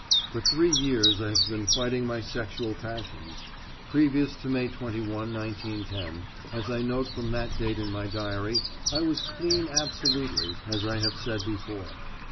For three years I have been fighting my sexual passions. Previous to May 21, 1910, as I note from that date in my diary, I was clean absolutely, as I have said before.